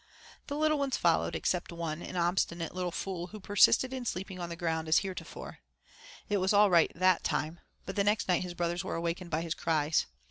The little ones followed, except one, an obstinate little fool who persisted in sleeping on the ground as heretofore. It was all right that time, but the next night his brothers were awakened by his cries.